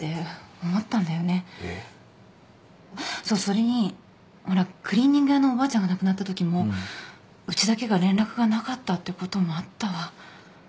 そうそれにほらクリーニング屋のおばあちゃんが亡くなったときもうちだけが連絡がなかったってこともあったわ。